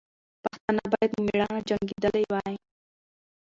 پښتانه باید په میړانه جنګېدلي وای.